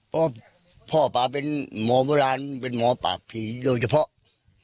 เพราะพ่อป่าเป็นหมอโบราณเป็นหมอปากผีโดยเฉพาะ